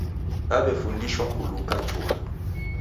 Daw'efundishwa kuluka chugha